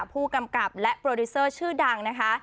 ผู้กำกับและโปรดิวเซอร์ชื่อดังนะคะ